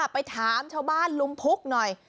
ไปถามชาวบ้านลุมพุกหน่อย